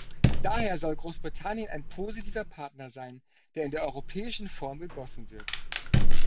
Daher soll Großbritannien ein positiver Partner sein, der in der europäischen Form gegossen wird.